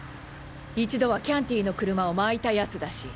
一度はキャンティの車をまいた奴だし。